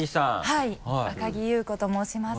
はい赤木由布子と申します。